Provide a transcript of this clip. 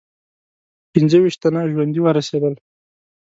پنځه ویشت تنه ژوندي ورسېدل.